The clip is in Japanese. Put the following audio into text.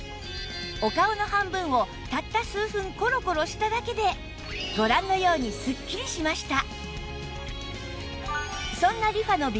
お顔の半分をたった数分コロコロしただけでご覧のようにスッキリしました